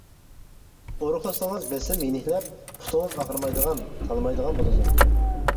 ئورۇقلىسىڭىز بېسىم يېنىكلەپ، پۇتىڭىز ئاغرىمايدىغان، تالمايدىغان بولىدۇ.